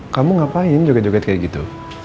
kamu ngapain juga joget kayak gitu